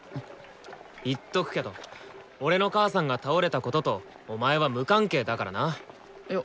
言っとくけど俺の母さんが倒れたこととお前は無関係だからな！よ